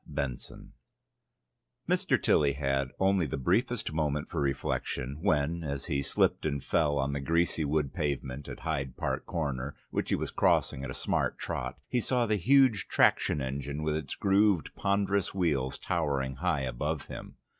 Tilly's Seance Mr. Tilly had only the briefest moment for reflection, when, as he slipped and fell on the greasy wood pavement at Hyde Park Corner, which he was crossing at a smart trot, he saw the huge traction engine with its grooved ponderous wheels towering high above him.